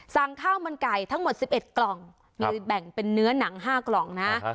สั่งข้าวมันไก่ทั้งหมดสิบเอ็ดกล่องครับมีแบ่งเป็นเนื้อหนังห้ากล่องนะครับ